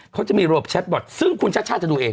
เขาจะมีระบบแชทบอตซึ่งคุณชัชชาติจะดูเอง